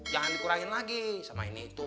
jangan dikurangin lagi sama ini itu